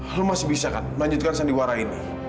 lo masih bisa kan melanjutkan sandiwara ini